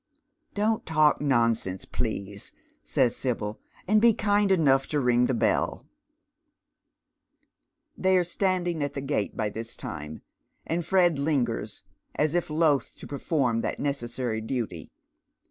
"Don't talk nonsense, please," says Sibyl. "And be land enough to ring the bell," They are standing at the gate by this time, and Fred lingers, as if loth to perform that necessary duty.